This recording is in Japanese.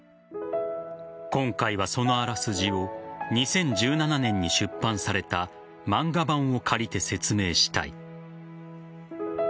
今回は、そのあらすじを２０１７年に出版された漫画版を借りて説明したい。